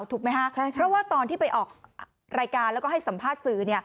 ถูกไหมคะเพราะว่าตอนที่ไปออกรายการแล้วก็ให้สัมภาษณ์สื่อ